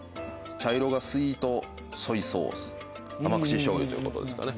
茶色がスイートソイソース甘口しょうゆということですかね。